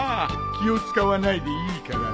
気を使わないでいいからね。